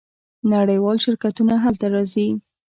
نړیوال شرکتونه هلته راځي.